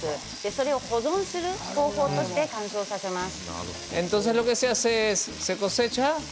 それを保存する方法として乾燥させます。